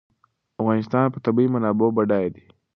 افغانستان په طبیعي منابعو بډای دی.